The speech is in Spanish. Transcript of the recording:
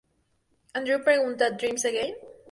Andrew pregunta: "Dreams again?